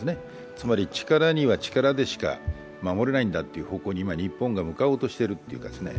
つまり力には力でしか守れないんだという方向に今、日本が向かおうとしているというか。